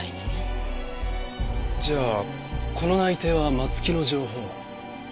じゃあこの内偵は松木の情報。